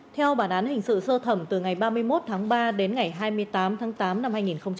theo bản án hình sự sơ thẩm từ ngày ba mươi một tháng ba đến ngày hai mươi tám tháng tám năm hai nghìn hai mươi